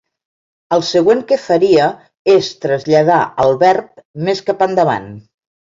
El següent que faria és traslladar el Verb més cap endavant.